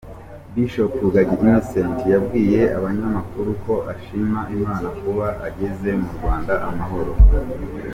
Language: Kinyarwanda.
Bishop Rugagi Innocent yabwiye abanyamakuru ko ashima Imana kuba ageze mu Rwanda amahoro.